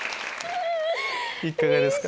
いかがですか？